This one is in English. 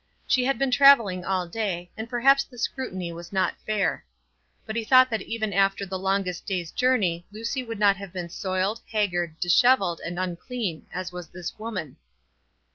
She had been travelling all day, and perhaps the scrutiny was not fair. But he thought that even after the longest day's journey Lucy would not have been soiled, haggard, dishevelled, and unclean, as was this woman.